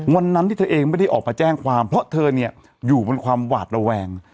วันนั้นที่เธอเองไม่ได้ออกมาแจ้งความเพราะเธอเนี่ยอยู่บนความหวาดระแวง